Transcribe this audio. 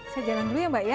saya jalan dulu ya mbak ya